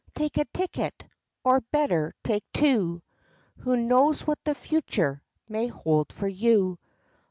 Take a ticket, Or, better, take two; Who knows what the future May hold for you?